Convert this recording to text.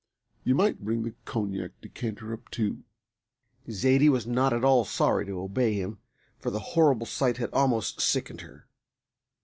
You might bring the cognac decanter up too." Zaidie was not at all sorry to obey him, for the horrible sight had almost sickened her.